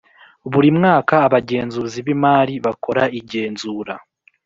Buri mwaka abagenzuzi b’imari bakora igenzura